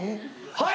はい！